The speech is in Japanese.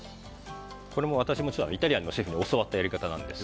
私もイタリアンのシェフに教わったやり方です。